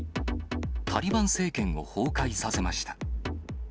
タリバン政権を崩壊させました。